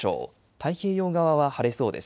太平洋側は晴れそうです。